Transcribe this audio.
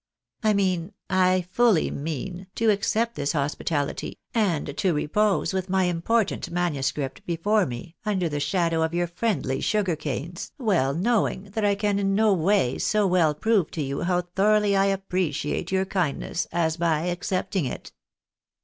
I mean, I fully mean, to accept this hospitality, and to repose with my important manuscript before me, under the shadow of your friendly sugar canes, well knowing that I can in no way so well prove to you how thoroughly I appre ciate your kindness, as by accepting it."